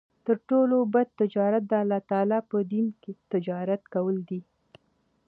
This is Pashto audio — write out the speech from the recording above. تر ټولو بَد تجارت د الله تعالی په دين تجارت کول دی